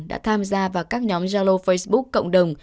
đã tham gia vào các nhóm gia lô facebook cộng đồng